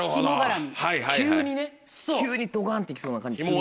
急にね急にドカンって行きそうな感じするのよ。